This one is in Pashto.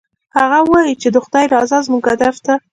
هغه وایي چې د خدای رضا زموږ هدف ده